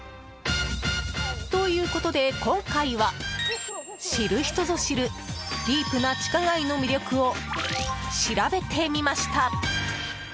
ということで、今回は知る人ぞ知るディープな地下街の魅力を調べてみました。